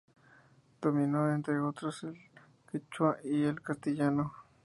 Dominó entre otros el quechua y el castellano.